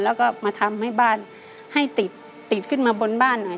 แล้วก็มาทำให้บ้านให้ติดติดขึ้นมาบนบ้านหน่อย